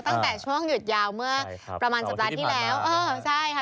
ตั้งแต่ช่วงหยุดยาวเมื่อประมาณสัปดาห์ที่แล้วเออใช่ค่ะ